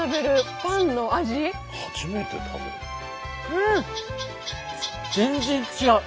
うん！